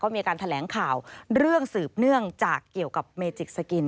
มีการแถลงข่าวเรื่องสืบเนื่องจากเกี่ยวกับเมจิกสกิน